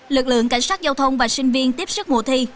lực lượng cảnh sát giao thông và sinh viên tiếp sức mùa thi